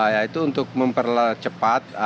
yaitu untuk memperlecepat